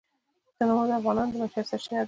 تنوع د افغانانو د معیشت سرچینه ده.